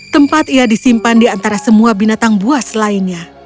tempat ia disimpan di antara semua binatang buas lainnya